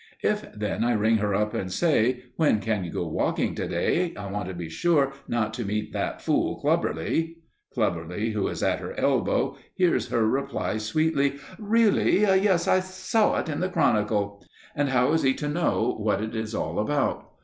If, then, I ring her up and say, "When can you go walking today? I want to be sure not to meet that fool Clubberly." Clubberly, who is at her elbow, hears her reply sweetly, "Really! Yes, I saw it in the "Chronicle"; and how is he to know what it is all about?